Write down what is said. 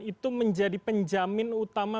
itu menjadi penjamin utama